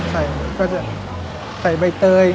ใส่ใบเตย